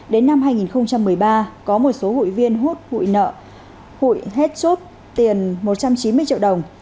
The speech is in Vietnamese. đến năm hai nghìn một mươi ba có một số hụi viên hốt hụi nợ hụi hết chốt tiền một trăm chín mươi triệu đồng